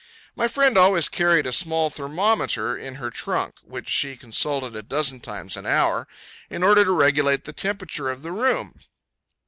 My friend always carried a small thermometer in her trunk, which she consulted a dozen times an hour, in order to regulate the temperature of the room.